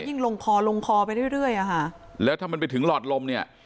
ยิ่งลงคอลงคอไปเรื่อยแล้วถ้ามันไปถึงหลอดลมเนี่ย